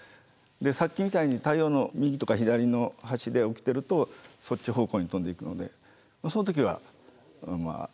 でさっきみたいに太陽の右とか左の端で起きてるとそっち方向に飛んでいくのでその時はまあ大丈夫と。